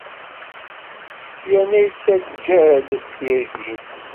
Yrrna yettaǧǧa-d tirgin.